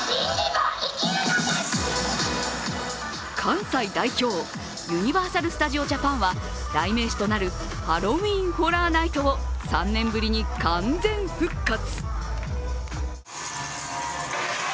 関西代表、ユニバーサル・スタジオ・ジャパンは代名詞となるハロウィーン・ホラー・ナイトを３年ぶりに完全復活。